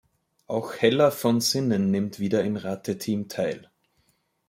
Auch Hella von Sinnen nimmt wieder im Rateteam teil.